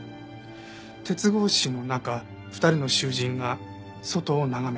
「鉄格子の中二人の囚人が外を眺めた」。